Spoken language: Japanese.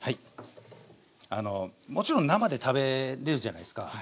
もちろん生で食べれるじゃないすか。